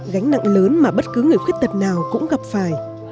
gánh nặng lớn mà bất cứ người khuyết tật nào cũng gặp phải